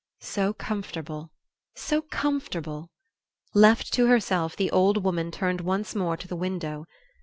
So comfortable so comfortable! Left to herself the old woman turned once more to the window.